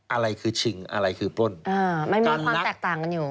อะไรคือชิงอะไรคือปล้นอ่ามันมีความแตกต่างกันอยู่